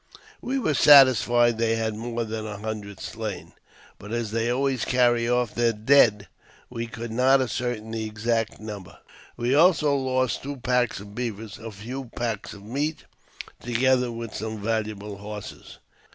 We were satis fied they had more than a hundred slain ; but as they always carry off their dead, we could not ascertain the exact number. We also lost two packs of beavers, a few packs of meat, together with some valuable horses.